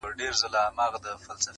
ورښودلي خپل استاد وه څو شعرونه،